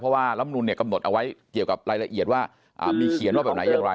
เพราะว่าลำนุนเนี่ยกำหนดเอาไว้เกี่ยวกับรายละเอียดว่ามีเขียนว่าแบบไหนอย่างไร